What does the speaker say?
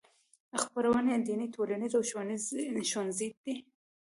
خپرونې یې دیني ټولنیزې او ښوونیزې دي.